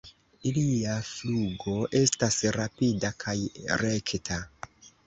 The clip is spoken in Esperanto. Ilia flugo estas rapida kaj rekta.